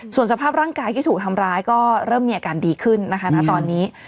ส่วนสภาพร่างกายที่ถูกทำร้ายก็เริ่มมีอาการดีขึ้นนะคะณตอนนี้